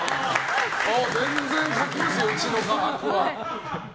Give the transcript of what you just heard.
全然描きますよ、うちの画伯が。